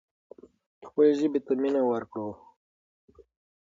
خپلې ژبې ته مینه ورکړو.